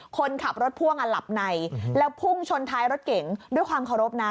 คนขับรถพ่วงอัลลับไน้และภูมิชนท้ายฯรถเก๋งด้วยความเคารพ